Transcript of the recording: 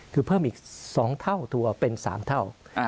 คือเพิ่มอีก๒เท่าตัวเป็น๓เท่า